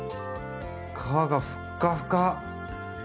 皮がふっかふか。